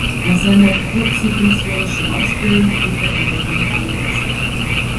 Nach seiner kurzen künstlerischen Ausbildung blieb er in Berlin ansässig.